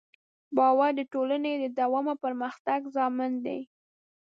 باور د ټولنې د دوام او پرمختګ ضامن دی.